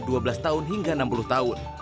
dua belas tahun hingga enam puluh tahun